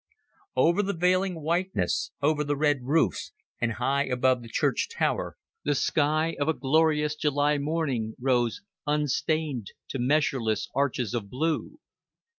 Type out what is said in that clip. Over the veiling whiteness, over the red roofs, and high above the church tower, the sky of a glorious July morning rose unstained to measureless arches of blue.